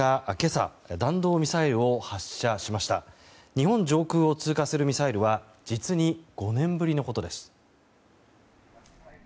日本上空を通過するミサイルは実に５年ぶりのことです。